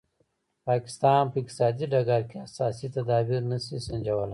پاکستان په اقتصادي ډګر کې اساسي تدابیر نه شي سنجولای.